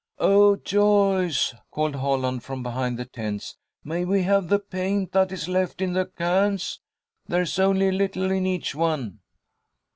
"Oh, Joyce," called Holland, from behind the tents, "may we have the paint that is left in the cans? There's only a little in each one."